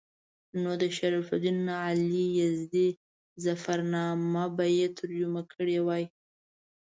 نو د شرف الدین علي یزدي ظفرنامه به مې ترجمه کړې وای.